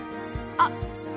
あっ。